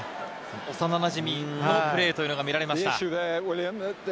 幼なじみのプレーが見られました。